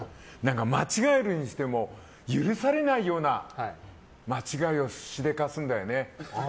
間違えるにしても許されないような間違いをしでかすんだよね。